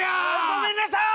ごめんなさい！